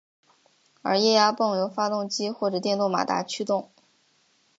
而液压泵由发动机或者电动马达驱动。